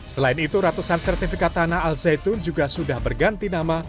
selain itu ratusan sertifikat tanah al zaitun juga sudah berganti nama